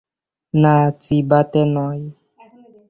না, চিবাতে নয়।